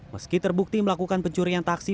meski terbukti melakukan pencurian taksi